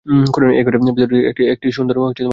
এই ঘরের ভিতরটিতে একটি কী সুন্দর রহস্য সঞ্চিত হইয়া আছে।